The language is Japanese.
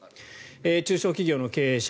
中小企業の経営者。